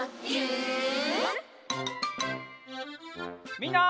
みんな。